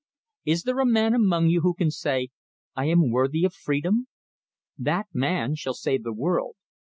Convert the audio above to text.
"Is there a man among you who can say, I am worthy of freedom? That man shall save the world.